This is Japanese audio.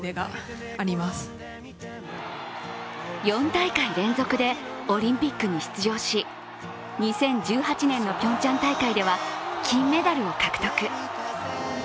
４大会連続でオリンピックに出場し、２０１８年のピョンチャン大会では金メダルを獲得。